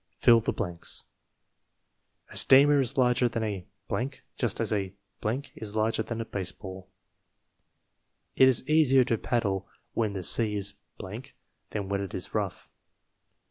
Fill the blanks: A steamer is larger than a , just as a is larger than a baseball. It is easier to paddle when the sea is than when it is rough.